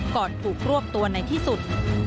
ก่อนถูกรวบตัวในที่สุด